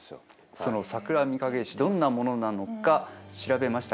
その桜みかげ石どんなものなのか調べました。